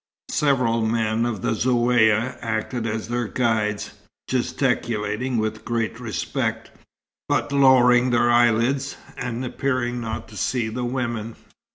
Several men of the Zaouïa acted as their guides, gesticulating with great respect, but lowering their eyelids, and appearing not to see the women.